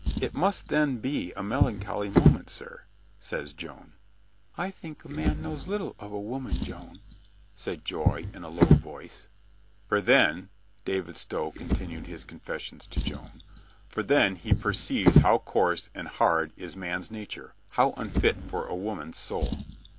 "It must then be a melancholy moment, sir," says Joan. 284 COLONEL GREATHEART "I think a man knows little of a woman, Joan," said Joy in a low voice, "For then" — David Stow continued his confes sions to Joan — "for then he perceives how coarse and hard is man's nature, how unfit for a woman's soul."